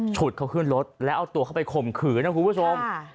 ฉุดเขาขึ้นรถแล้วเอาตัวเข้าไปข่มขืนนะคุณผู้ชม